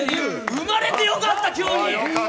生まれてよかった、今日に。